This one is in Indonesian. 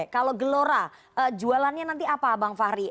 kalau gelora jualannya nanti apa bang fahri